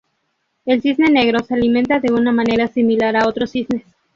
El Cisne Negro se alimenta de una manera similar a otros cisnes.